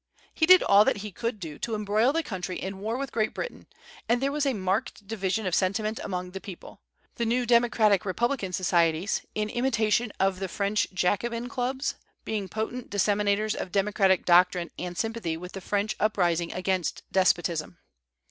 He did all that he could to embroil the country in war with Great Britain; and there was a marked division of sentiment among the people, the new Democratic Republican societies, in imitation of the French Jacobin clubs, being potent disseminators of democratic doctrine and sympathy with the French uprising against despotism.